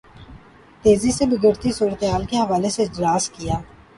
تیزی سے بگڑتی صورت حال کے حوالے سے اجلاس کیا